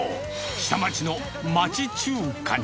下町の町中華に。